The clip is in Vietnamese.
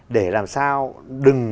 để làm sao đừng